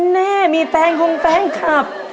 แน่มีแฟนของแฟนคลับ